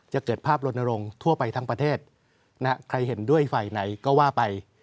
จะเกิดภาพลนรงค์ทั่วไปทั้งประเทศใครเห็นด้วยฝ่ายไหนก็ว่าไป